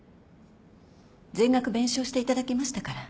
全額弁償していただきましたから。